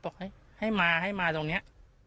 บอกให้มาให้มาตรงนี้